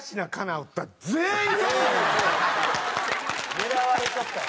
狙われとったよ。